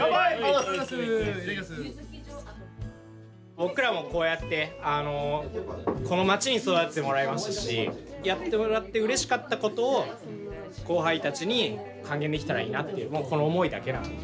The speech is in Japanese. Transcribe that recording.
僕らもこうやってこの街に育ててもらいましたしやってもらってうれしかったことを後輩たちに還元できたらいいなとこの思いだけなんで。